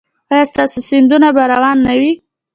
ایا ستاسو سیندونه به روان نه وي؟